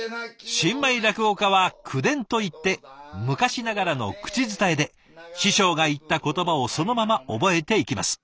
新米落語家は「口伝」といって昔ながらの口伝えで師匠が言った言葉をそのまま覚えていきます。